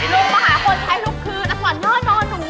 ลูกมาหาคนใช้ลูกคืนอักษรยอดนอนหนู